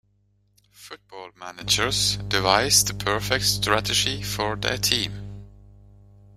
Football managers devise the perfect strategy for their team.